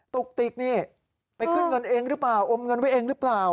ตุกติกนี่ไปขึ้นเงินเองหรือเปล่าอมเงินไว้เองหรือเปล่า